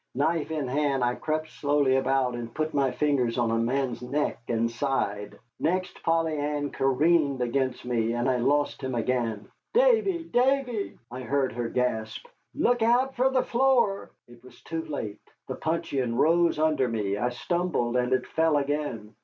Knife in hand, I crept slowly about, and put my fingers on a man's neck and side. Next Polly Ann careened against me, and I lost him again. "Davy, Davy," I heard her gasp, "look out fer the floor!" It was too late. The puncheon rose under me, I stumbled, and it fell again.